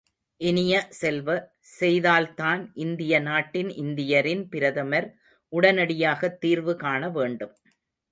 இனிய செல்வ, செய்தால்தான் இந்திய நாட்டின் இந்தியரின் பிரதமர், உடனடியாகத் தீர்வு காணவேண்டும்.